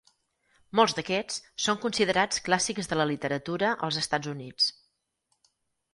Molts d'aquests són considerats clàssics de la literatura als Estats Units.